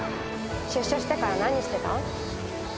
出所してから何してた？